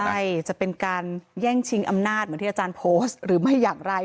ใช่จะเป็นการแย่งชิงอำนาจเหมือนที่อาจารย์โพสต์หรือไม่อย่างไร